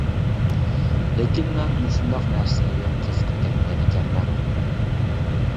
لېكىن مەن مۇشۇنداق نەرسىلەرگە قىزىقىپ كەتمەيدىكەنمەن.